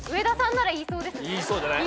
言いそうじゃない？